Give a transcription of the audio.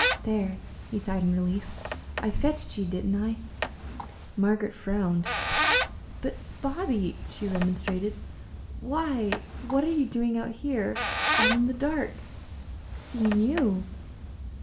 "There!" he sighed in relief. "I fetched ye, didn't I?" Margaret frowned. "But, Bobby," she remonstrated, "why what are you doing out here, all in the dark?" "Seein' you."